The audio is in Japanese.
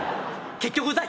結局うざい！